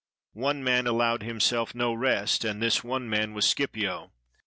One man al lowed himself no rest, and this one man was Scipio.